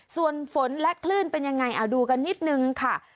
ส่วนฝนและคลื่นเป็นยังไงเอาดูกันนิดนึงค่ะ